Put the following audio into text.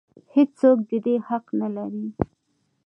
هېڅ څوک د دې حق نه لري.